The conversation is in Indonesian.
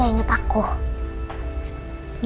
gak inget semuanya